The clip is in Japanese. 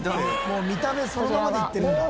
もう見た目そのままでいってるんだ。